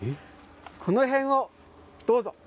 上の辺りをどうぞ。